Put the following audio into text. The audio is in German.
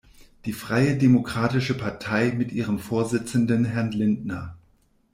Die freie Demokratische Partei mit ihrem Vorsitzenden Herrn Lindner.